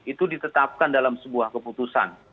itu ditetapkan dalam sebuah keputusan